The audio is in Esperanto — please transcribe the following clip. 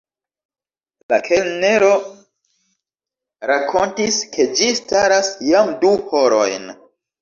La kelnero rakontis, ke ĝi staras jam du horojn.